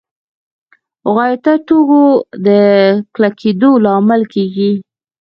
غایطه توکو د کلکېدو لامل کېږي.